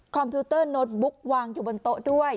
พิวเตอร์โน้ตบุ๊กวางอยู่บนโต๊ะด้วย